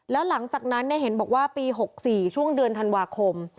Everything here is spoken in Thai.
แล้วหลังจากนั้นเห็นบอกว่าปี๖๔ช่วงเดือนธันวาคม